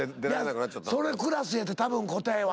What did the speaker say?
それクラスやてたぶん答えは。